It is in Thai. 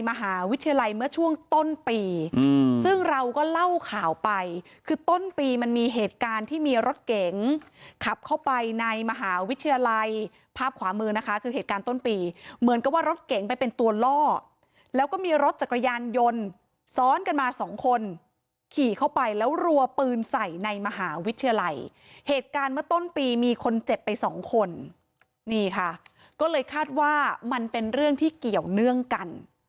มหาวิทยาลัยเมื่อช่วงต้นปีซึ่งเราก็เล่าข่าวไปคือต้นปีมันมีเหตุการณ์ที่มีรถเก๋งขับเข้าไปในมหาวิทยาลัยภาพขวามือนะคะคือเหตุการณ์ต้นปีเหมือนกับว่ารถเก๋งไปเป็นตัวล่อแล้วก็มีรถจักรยานยนต์ซ้อนกันมาสองคนขี่เข้าไปแล้วรัวปืนใส่ในมหาวิทยาลัยเหตุการณ์เมื่อต้นปีมีคนเจ็บไปสองคนนี่ค่ะก็เลยคาดว่ามันเป็นเรื่องที่เกี่ยวเนื่องกัน